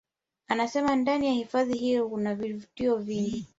Anasema ndani ya hifadhi hiyo kuna vivutio vingi